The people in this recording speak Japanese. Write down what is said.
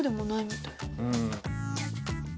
うん。